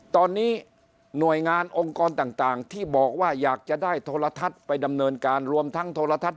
ตอนนี้หน่วยงานองค์กรต่างที่บอกว่าอยากจะได้โทรทัศน์ไปดำเนินการรวมทั้งโทรทัศน